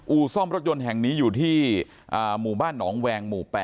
ซ่อมรถยนต์แห่งนี้อยู่ที่หมู่บ้านหนองแวงหมู่๘